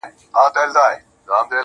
• څنگه بيلتون كي گراني شعر وليكم.